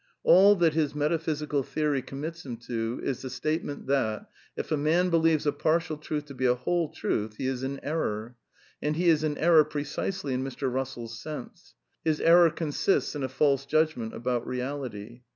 All that his metaphysical theory commits him to is the statement \ that, if a man believes a partial truth to be a whole truth;"''^ he is in error. And he is in error precisely in Mr. Rus sell's sense. His error consists in a false judgment about reality.